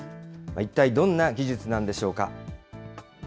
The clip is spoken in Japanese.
一体、どんな技術なんでしょうか。